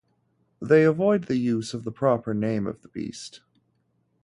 They avoid the use of the proper name of the beast.